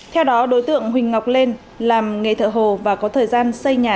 theo đó đối tượng huỳnh ngọc lên làm nghề thợ hồ và có thời gian xây nhà